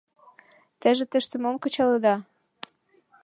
— Теже тыште мом кычалыда?